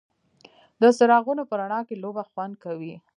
د څراغونو په رڼا کې لوبه خوند کوي.